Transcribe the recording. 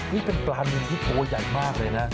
นี่เป็นปลานินที่ตัวใหญ่มากเลยนะ